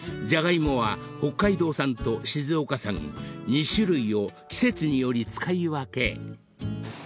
［ジャガイモは北海道産と静岡産２種類を季節により使い分け］